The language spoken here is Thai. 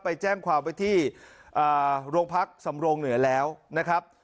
ไปแจ้งความไว้ที่โรงพักสำรงเหนือแล้วนะครับ